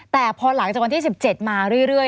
แต่พอหลังจากวันที่๑๗มาเรื่อย